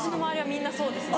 みんなそうです。